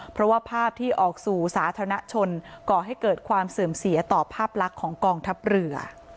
เพราะว่าภาพที่ออกสู่สาธารณชนก่อให้เกิดความเสื่อมเสียต่อภาพลักษณ์ของกองทัพเรือ